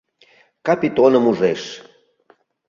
Капитоным ужеш.